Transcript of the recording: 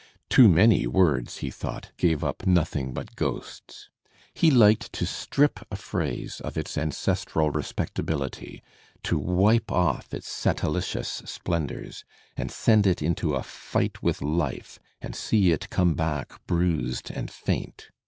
Too many words, he thought, gave up nothing but ghosts. He liked to strip a phrase of its ancestral respectability, to wipe oflF its satel litious splendours, send it into a fight with life, and see it come back bruised and faint.